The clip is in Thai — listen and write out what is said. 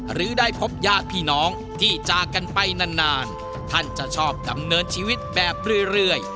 หรือได้พบญาติพี่น้องที่จากกันไปนานท่านจะชอบดำเนินชีวิตแบบเรื่อย